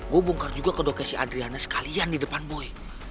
gue bongkar juga ke dokter si adriana sekalian di depan boy